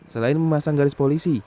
selain memasang garis polisi